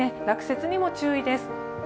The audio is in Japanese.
落雪にも注意です。